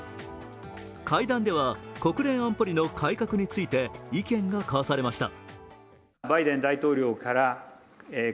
会談では、国連安保理の改革について意見が交わされました。